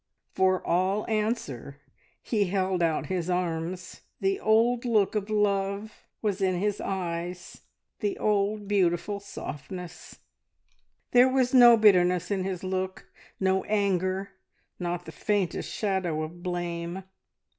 For all answer he held out his arms. The old look of love was in his eyes, the old beautiful softness; there was no bitterness in his look, no anger, not the faintest shadow of blame.